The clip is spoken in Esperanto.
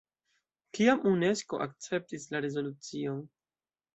Kiam Unesko akceptis la rezolucion?